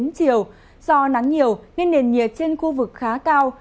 từ sớm đến chiều do nắng nhiều nên nền nhiệt trên khu vực khá cao